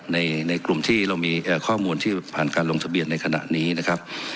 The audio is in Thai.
ในกลุ่มที่เรามีข้อมูลที่ผ่านการลงทะเบียนในขณะนี้นะครับ